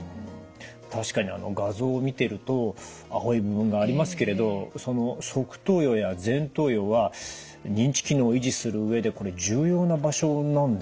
確かに画像を見ていると青い部分がありますけれどその側頭葉や前頭葉は認知機能を維持する上でこれ重要な場所なんですよね？